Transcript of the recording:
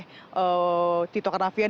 dan diakui oleh tito karnavian